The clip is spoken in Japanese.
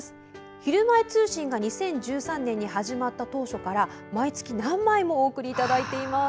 「ひるまえ通信」が２０１３年に始まった当初から、毎月何枚もお送りいただいています。